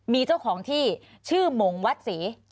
มีเจ้าของที่ชื่อหมงวัดศรี